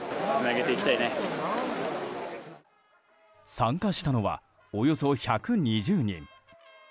参加したのはおよそ１２０人。